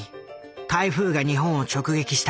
台風が日本を直撃した。